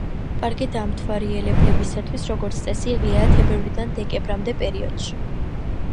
პარკი დამთვალიერებელთათვის, როგორც წესი, ღიაა თებერვლიდან დეკემბრამდე პერიოდში.